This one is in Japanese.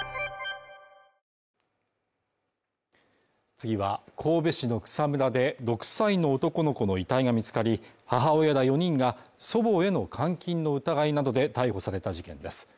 次は神戸市の草むらで６歳の男の子の遺体が見つかり、母親ら４人が祖母への監禁の疑いなどで逮捕された事件です。